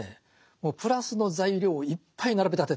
もうプラスの材料をいっぱい並べ立ててるんですよ。